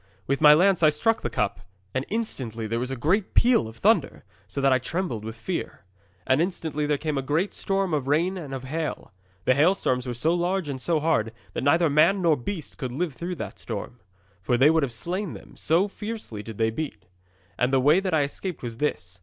'With my lance I struck the cup, and instantly there was a great peal of thunder, so that I trembled for fear. And instantly there came a great storm of rain and of hail. The hailstones were so large and so hard that neither man nor beast could live through that storm, for they would have slain them, so fiercely did they beat. And the way that I escaped was this.